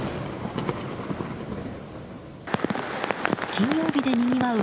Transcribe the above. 金曜日でにぎわう